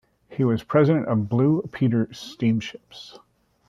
He was president of Blue Peter Steamships.